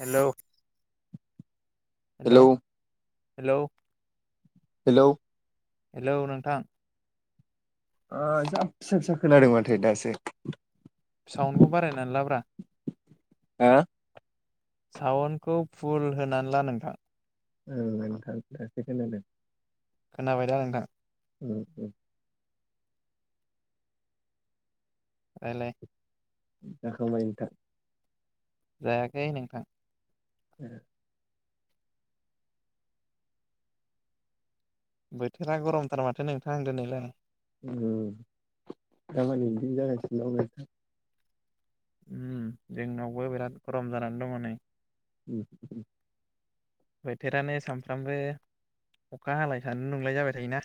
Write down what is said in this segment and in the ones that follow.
हेल' hello hello hello hello नोंथां फिसा फिसा खोनादों माथो‌‌ दासो साउन्डखौ बारायनानै लाब्रा हा सावोनखौ फुल होनानै ला नोंथां औ नोंथां दासो खोनादों खोनाबाय दा नोंथां उम उम रायलाय जाखांबाय नोथां जायाखै नोंथां उम बोथोरा गरमथार माथो नोंथां दिनैलाय दामानि बिदिनो जागासिनो दं नां जोंनावबो बिराद गरम जानानै दङ नै उ बोथोरानो सानफ्रामबो अखा हालाय सान्दुं दुंलाय जाबाय जाबाय थायोना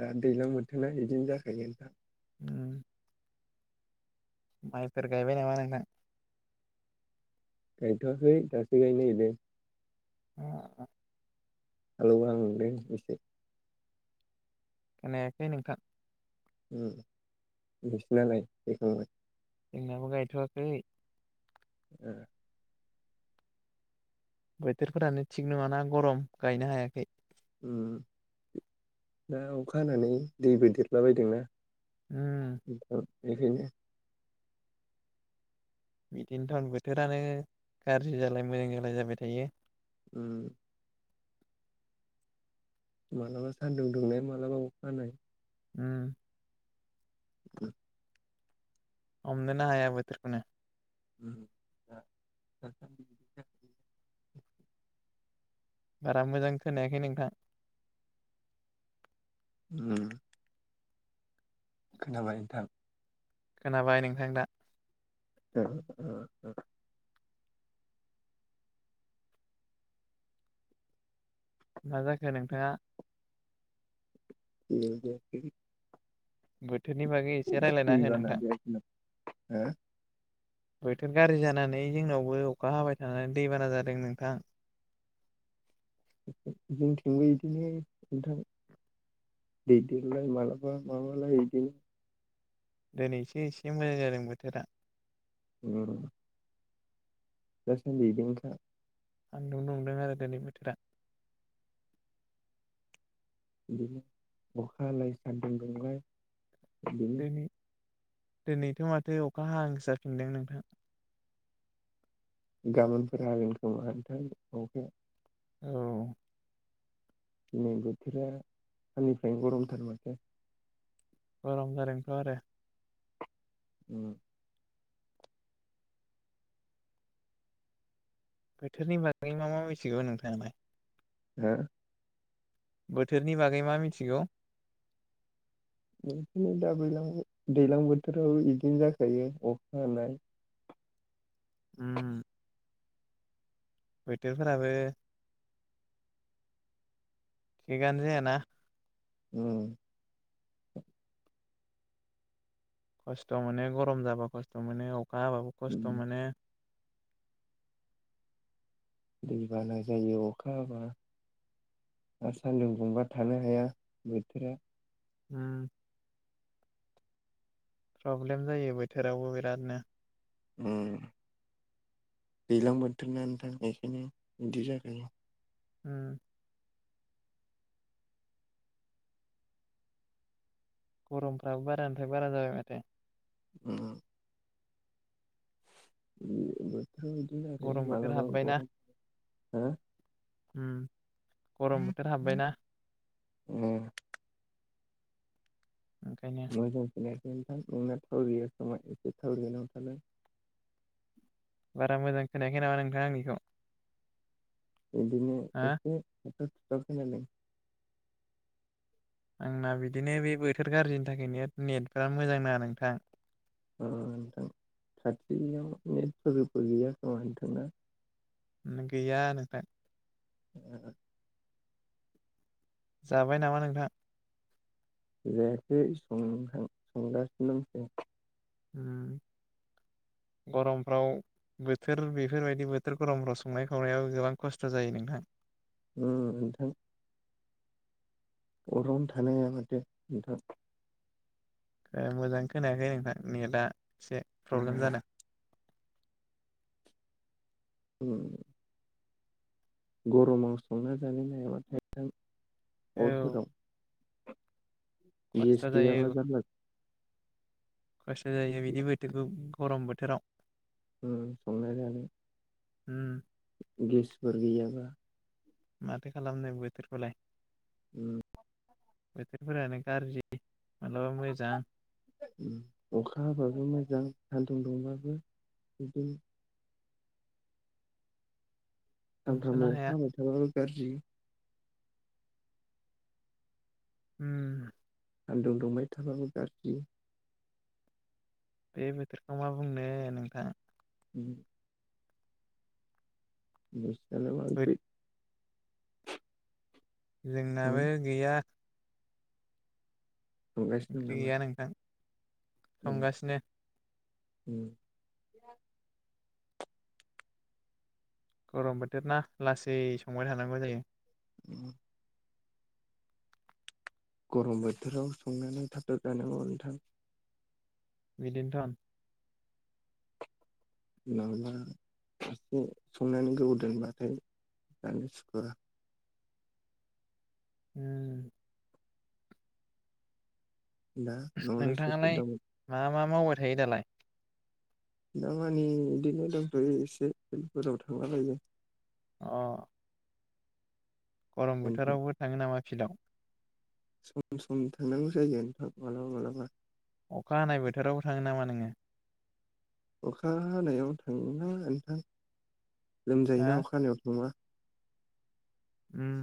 दा दैज्लां बोथोरा बिदिनो जाखायो नोंथां उम माइफोर गायबाय नामा नोंथां? गायथ'वाखै दासो गायनोनागिरदों अ [inaudible] खोनायाखै नोंथां? [inaudible] नोंसिनालाय जोंनाबो गायथ'वाखै ए बोथोरफोरानो थिग नङााना गरम गायनो हायाखै। दा अखा हानानै दैबो देरलाबायदोंना ओम नोंथां बेखायनो बिदिनो थटाउन बोथोरानो गाज्रि जालाय मोजां जालाय जाबाय थायो। उम माब्लाबा सान्दुं दुंनाया माब्लाबा अखा हानाय उम [inaudible] हमनोनो हाया बोथोरखौनो [unintelligible] बारा मोजां खोनायाखै नोंथां। उम खोनाबाय नोंथां। खोनाबाय नोंथां दा। [inaudible] मा जाखो नोंथाङा [inaudible] बोथोरनि बागै एसे रायज्लायना हो दैबाना नोंथां जायाखै नामा? हो बोथोर गाज्रि जानानै जोंनावबो अखा हाबाय थानानै दैबाना जादों नोंथां जोंथिंबो बिदिनो नोंथां [unintelligible] दिनैसो एसे मोजां जादों बोथोरा उम दा सान्दि [inaudible] सान्दुं दुंदों आरो दिनै बोथोरा। बिदिनो अखा हालाइ सान्दुं दुंलाय बिदिनो दिनै दिनैथ' माथो अखा हां जाफिनदों नोंथां गाबोनफोरा हागोन खोमा आथ अखाया औ नै बोथोरा आंनिफ्रायनो गरमथार माथो। गरम जादोंथ' आरो। उम बोथोरनि बागै मा मा मिथिगौ नोंथाङालाय। हो बोथोरनि बागै मा मिथिगौ? बिदिनो दा दैज्लां बोथोरावो बिदिनो जाखायो अखा हानाय उम बोथोरफोराबो थिगानो जायाना। उम खस्थ' मोनो गरम जाबा खस्थ' मोनो अखा हाबाबो उम खस्थ' मोनो दैबाना जायो अखा हाबा आरो सान्दुं दुंबा थानो हाया बोथोरा ओम प्रब्लेम जायो बोथोरावबो बिरादनो उम दैज्लां बोथोर ना नोंथां बेखायनो बिदि जाखायो ओम गरमफ्राबो बारानिफ्राय बारा जाबाय माथो उम बोथोरा बिदि जाबाय थायो मालाबा गरम हो ओम गरम बोथोर हाबबायना ओं ओंखायनो बयज [unintelligible] नोंथां नोंना टावर गैया नामा एसे टावर गोनाङाव थालाय बारा मोजां खोनायाखै नामा नोंथां आंनिखौ बिदिनो हा एसे थाबथा थुबथा खोनादों आंना बिदिनो बे बोथोर गाज्रिनि थाखायनो नेटफ्रा मोजां नाङा नोंथां अ नोंथां खाथियाव नेट फोरबो गैया खोमा नोंथांना गैया नोथां अ जाबाय नामा नोंथां जायाखै संहां संगासिनो दंसो ओम गरमफ्राव बोथोर बेफोरबायदि बोथोर गरमफोराव संनाय खावनायावबो गोबां खस्थ' जायो नोंथां ओम नोंथां अरावनो थानो हाया माथो नोंथां ए मोजां खोनायाखै नोंथां नेटआ एसे प्रब्लेम जादों उम गरमाव संना जानो हाया माथो औ अरफोराव खस्थ' गेस गैयाब्ला जायो जारला खस्थ' जायो बिदि बोथोरखौ गरम बोथोराव उम संना जानो उम गेसफोर गैबा माथो खालामनो बोथोरखौलाय उम बेथोरफोरानो गारजि ओम अखा हाबाबो मोजां सान्दुं दुंबाबो बिदिनो हमस'नो सानफ्रामबो हाया अखा हाबाय थाबाबो गाज्रि उम सान्दुं दुंबाय थाबाबो गाज्रि बे बोथोरखौ मा बुंनो नोंथां उम नोंस्रालाय मा ओंख्रि उम जोंनाबो गैया संगासिनो दं ओंख्रि नामा गैया नोंथां संगासिनो ओम गरम बोथोर ना लासै संबाय थानांगौ जायो [inaudible] गरम बोथोराव संनानै थाब थाब जानांगौ नोंथां बिदिनो थन नङाबा एसे संनानै गोबाव दोनबाथाय जानो सुखुवा होम दा न'आवलाय सोर सोर नोंथाङालाय दङ मा मा मावबाय थायो दालाय दामानि बिदिनो दंथ'यो एसे फिल्तफोराव थांला बायदों अह गरम नोंथां बोथोरावबो थाङो नामा फिल्डआव सम सम थांनांगौ जायो नोंथां मालाबा मालाबा अखा हानाय बोथोरावबो थाङो नामा नोङो अखा हानायाव थाङा नोंथां हा लोमजायोना अखा हानायाव थांबा ओम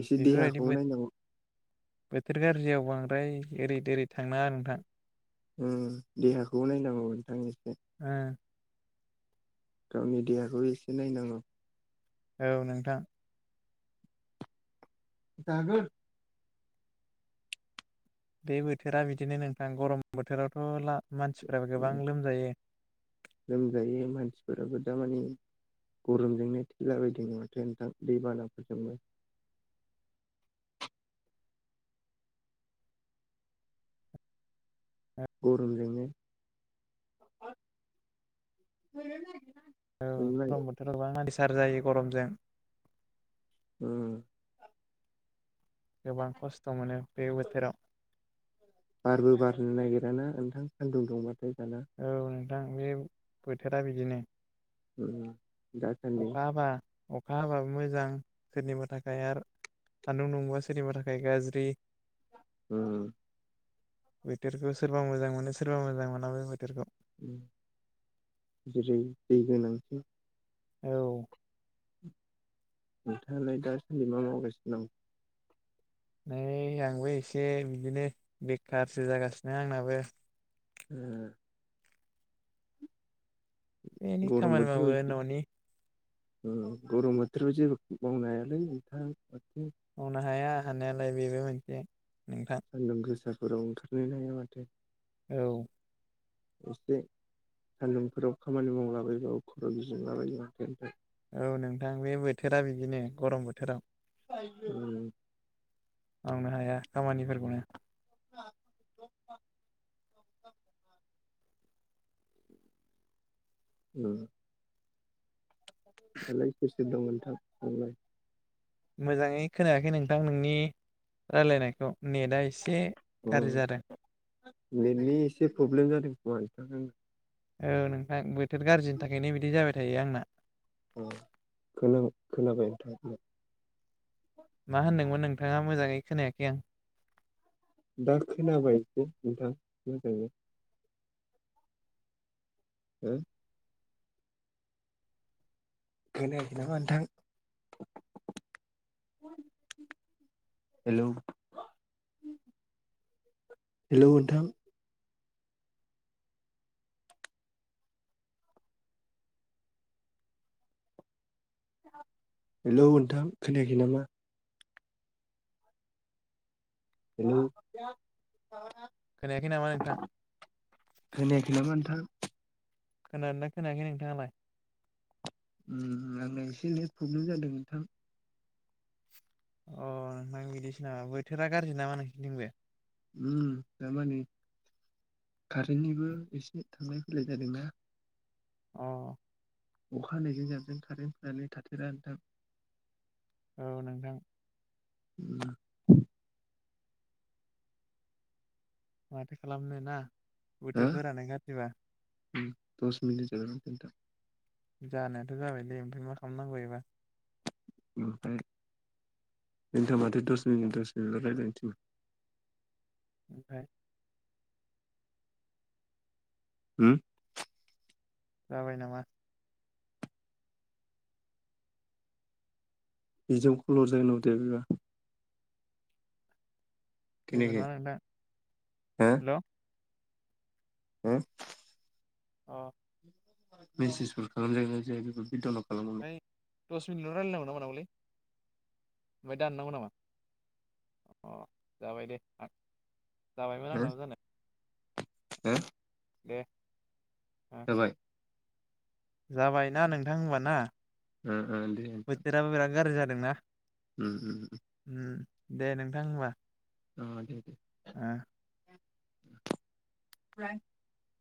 एसे बेफोरबायदि देहाखौ नायनांगौ बोथोर गाज्रियाव बांद्राय ओरै ओरै थांनााङा नोंथां ओम देहाखौ नायनांगौ नोंथां ओ गावनि देहाखौ एसे नायनांगौ औ नोंथां जागोर बे बोथोरा बिदिनो नोंथां गरम बोथोरावथ' ला मानसिफ्रा गोबां लोमजायो लोमजायो मानसिफोराबो दामानि गरमजोंनो थैला बाय थायो माथो नोंथां दै बानाफोरजोंबो [inaudible] गरमजोंनो [inaudible] औ नोंलाय गरम बोथोराव गोबां प्रेसार जायो गरमजों उम गोबां खस्थ' मोनो बे बोथोराव दाना नोंथां सान्दुं दुंबाथाय दाना औ नोंथां बे बोथोरा बिदिनो दाखालि अखा हाबा अखा हाबाबो मोजां सोरनिबा थाखाय आरो सानदुं दुंबा सोरनिबा थाखाय गाज्रि ओम बोथोरखौ सोरबा मोजां मोनो सोरबा मोजां मोना बे बोथोरखौ जेरै दै गोनांथि औ नोंथाङालाय दासानदि मा मावगासिनो दं नै आंबो एसे बिदिनो बेखारसो जागासिनो आंनाबो ओह एनै गरम खामानि बोथोराव मावो इदि न'नि गरम बोथोराव जेबो मावनो हायालै नोंथां माथो मावनो हाया हानायालाय बेबो मोनसे नोंथां सानदुं गोसाफोराव ओंखारनोनो हाया माथो औ एसे सानदुंफोराव खामानि मावलाबायबाबो खर' गिदिंलाबायो माथो ओमफाय औ नोंथां बे बोथोरा बिदिनो गरम बोथोराव ओम मावनो हाया खामानिफोरखौनो [inaudible] ओम दालाय सोर सोर दं नोंथां न'वाव लाय मोजाङै खोनायाखै नोंथां नोंनि रायलायनायखौ नेटआ एसे औ गाज्रि जादों बेनि एसे प्रब्लेम जादों खोमा नोंथां आंना [unintelligible] औ नोंथां बोथोर गाज्रिनि थाखायनो बिदि जाबाय थायो आंना औ खोन खोनाबाय नोंथां खोनाखै आं दा खोनाबायदि नोंथां मोजाङै हो खोनायाखै नामा नोंथां हेलौ हेलौ नोंथां हेलौ नोंथां खोनायाखै नामा? हेलौ खोनायाखै नामा नोंथां? खोनायखै नामा नोंथां? खोनादों दा खोनायाखै नोंथाङालाय? उम आंनाव एसे नेट प्रब्लेम जादों नोंथां अ नोंथां बिदिसो नामा बोथोरा गाज्रि नामा नोंसोरनि थिंजाय उम दामानि कारेन्टनिबो एसे थांलाय फैलाय जादोंना अ अखाहायजों जाबजों कारेन्ट थायलै थानानै थाथेरा नोंथां औ नोंथां उम माथो खालामनो ना हो बोथोरफोरानो गाज्रिबा उम दस मिनिट जाबाय मोन नोंथां जानायाथ' जाबायलै ओमफ्राय मा खालामनांगौ एबार ओमफाय [unintelligible] नोंथा माथो दस मिनिट दस मिनिटला रायजायनो थिननो ओमफाय होम जाबाय नामा? बेजों कल जायानाव दे बेबादिबा [unintelligible] जेबो खोनायाखै नङा नोंथां हो हेल' हो औ मसेसफोर खालामजागोन जा बेखौ बिदाव [unintelligible] है दसमन ल रायलाय नंगौ ना मानांगौलै [unintelligible] ओमफ्राय दाननांगौ नामा अ जाबाय दे होमबा [unintelligible] जाबायमोन हो आंनाबो जानाय हो दे जाबाय जाबायना नोंथां होनबाना ओ ओ दे नोंथां बोथोराबो बिराद गाज्रि जा उम उम दे नोंथां होनबा उम दे आ [inaudible]